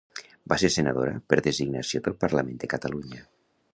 Va ser senadora per designació del Parlament de Catalunya.